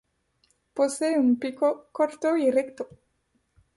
Posee un pico corto y recto.